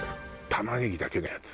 玉ねぎだけのやつ。